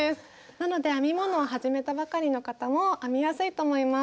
なので編み物を始めたばかりの方も編みやすいと思います。